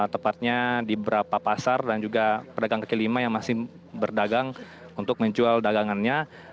tepatnya di beberapa pasar dan juga pedagang kaki lima yang masih berdagang untuk menjual dagangannya